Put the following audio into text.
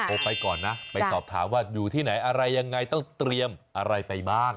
ไปก่อนนะไปสอบถามว่าอยู่ที่ไหนอะไรยังไงต้องเตรียมอะไรไปบ้าง